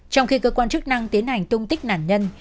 trong khi cơ quan chức năng tiến hành tung tích nạn nhân